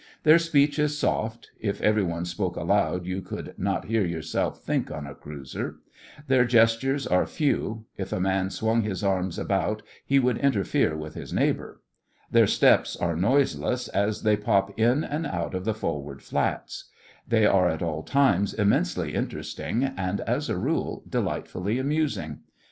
Their speech is soft (if everyone spoke aloud you could not hear yourself think on a cruiser), their gestures are few (if a man swung his arms about he would interfere with his neighbour), their steps are noiseless as they pop in and out of the forward flats; they are at all times immensely interesting, and, as a rule, delightfully amusing.